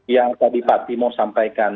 yang tadi pak timo sampaikan